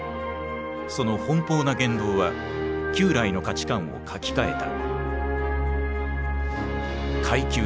その奔放な言動は旧来の価値観を書き換えた。